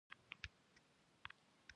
کیک، چاکلېټ او بسکوټ ټول خوږې دي.